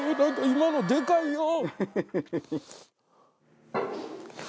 今のでかいよ。